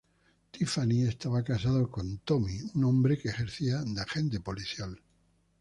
Tiffany estaba casada con Tommy, un hombre que ejercía de agente policial.